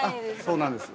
そうなんです。